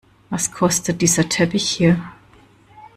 Was kostet dieser Teppich hier?